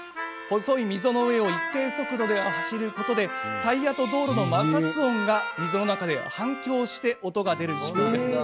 細い溝の上を一定速度で走ることでタイヤと道路の摩擦音が溝の中で反響して音が出る仕組みです。